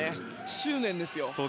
執念ですよ。